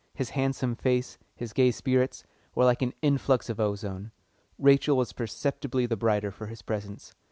His handsome face, his gay spirits, were like an influx of ozone. Rachel was perceptibly the brighter for his presence.